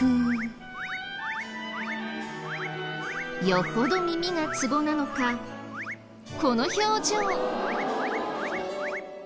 よほど耳がツボなのかこの表情。